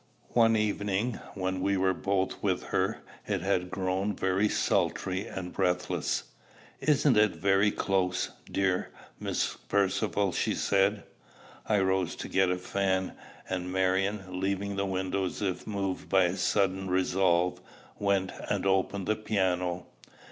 One evening, when we were both with her, it had grown very sultry and breathless. "Isn't it very close, dear Mrs. Percivale?" she said. I rose to get a fan; and Marion, leaving the window as if moved by a sudden resolve, went and opened the piano.